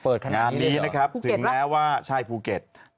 เปิดขนาดนี้เลยหรอภูเก็ตหรอใช่ภูเก็ตงานนี้นะครับ